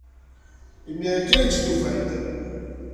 Imir-a kan ay tt-id-ufant.